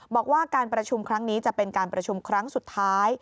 บอกว่าการประชุมครั้งนี้จะเป็นการประชุมครั้งสุดท้าย